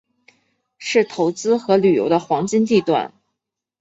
是投资和旅游的黄金地段。